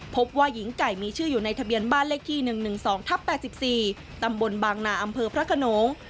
พบว่าหญิงไก่มีชื่ออยู่ในทะเบียนบ้านเลขที่๑๑๒ทับ๘๔ตำบลบางนาอำเภอพระขนง